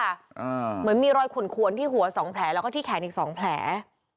เหมือนมีรอยขุนขวนที่หัวสองแผลแล้วก็ที่แขนอีกสองแผล